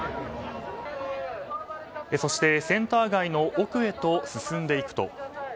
そして、センター街の奥へと進んでいくと。